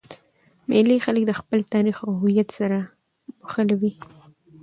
مېلې خلک د خپل تاریخ او هویت سره مښلوي.